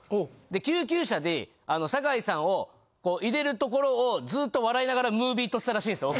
で救急車で坂井さんを入れるところをずっと笑いながらムービー撮ってたらしいですよ